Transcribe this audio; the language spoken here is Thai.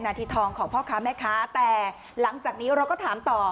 นาทีทองของพ่อค้าแม่ค้าแต่หลังจากนี้เราก็ถามต่อ